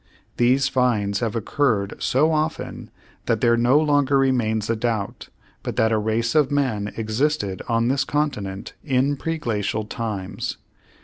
These finds have occurred so often that there no longer remains a doubt but that a race of men existed on this continent in preglacial times.